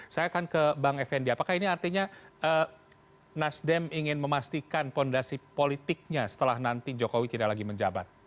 saya akan ke bang effendi apakah ini artinya nasdem ingin memastikan fondasi politiknya setelah nanti jokowi tidak lagi menjabat